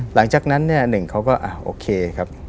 หลังจากนั้นเนี่ยหนึ่งเขาก็โอเคครับ